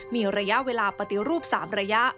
มีระยะเวลาปฏิรูป๓ระยะ